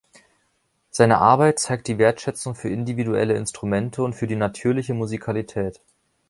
Seine Arbeit zeigt die Wertschätzung für individuelle Instrumente und für die natürliche Musikalität.